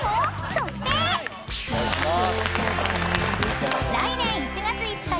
⁉そして］お願いします。